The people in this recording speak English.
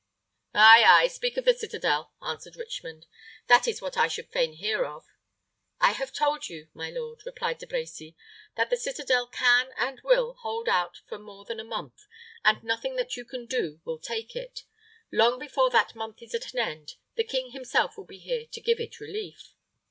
"Ay, ay; speak of the citadel," answered Richmond. "That is what I would fain hear of." "I have told you, my lord," replied De Brecy, "that the citadel can and will hold out for more than a month, and nothing that you can do will take it. Long before that month is at an end, the king himself will be here to give it relief."